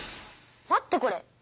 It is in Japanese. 待ってこれ。